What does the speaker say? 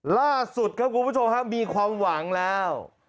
ล่าสุดครับคุณผู้ชมครับมีความหวังแล้ว